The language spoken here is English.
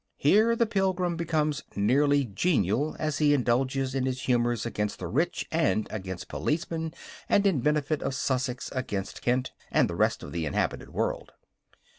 Here the pilgrim becomes nearly genial as he indulges in his humours against the rich and against policemen and in behalf of Sussex against Kent and the rest of the inhabited world.